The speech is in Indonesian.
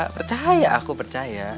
percaya aku percaya